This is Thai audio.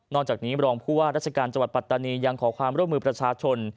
จากนี้รองผู้ว่าราชการจังหวัดปัตตานียังขอความร่วมมือประชาชน